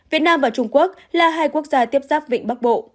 việt nam và trung quốc là hai quốc gia tiếp giáp vịnh bắc bộ